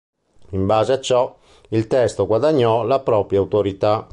In base a ciò il testo guadagnò la propria autorità.